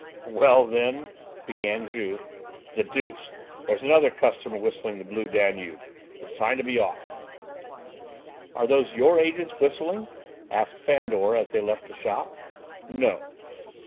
"Why then " began Juve. "The deuce! There's another customer whistling 'The Blue Danube.' It's time to be off." "Are those your agents whistling?" asked Fandor, as they left the shop. "No."